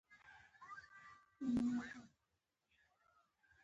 د انسان بدن له څو سیستمونو څخه جوړ دی